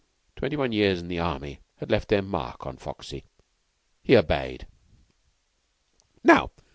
Twenty one years in the army had left their mark on Foxy. He obeyed. "Now.